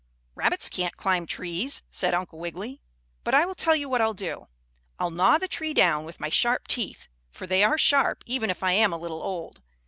"Rabbits can't climb trees," said Uncle Wiggily. "But I will tell you what I'll do. I'll gnaw the tree down with my sharp teeth, for they are sharp, even if I am a little old.